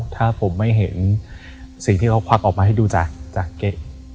ถ้าผมไม่เห็นสิ่งที่เขาควักออกมาให้ดูจากเก๊ะ